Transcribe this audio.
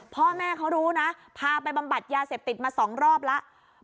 พ่อแม่เขารู้นะพาไปบำบัดยาเสพติดมา๒รอบแล้ว